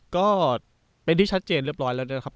ก็เป็นที่ชัดเจนเรียบร้อยแล้วนะครับ